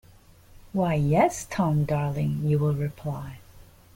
'Why, yes, Tom, darling,' you will reply.